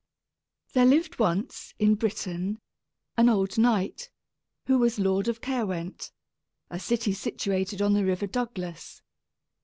_) There lived once, in Britain, an old knight who was lord of Caerwent, a city situated on the River Douglas.